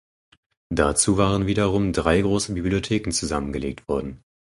Dazu waren wiederum drei große Bibliotheken zusammengelegt worden.